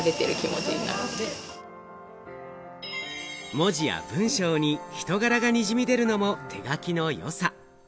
文字や文章に人柄がにじみ出るのも手書きのよさ。